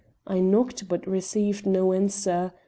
I knocked, but received no answer.